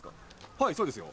はいそうですよ。